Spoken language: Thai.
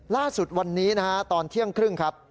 ล่าสุดวันนี้นะฮะตอนเที่ยงครึ่งครับ